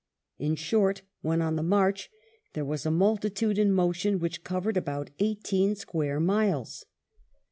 In short, when on the march "there waa a multitude in motion which covered about eighteen square miles."